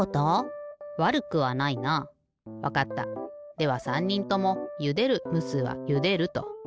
では３にんともゆでるむすはゆでると。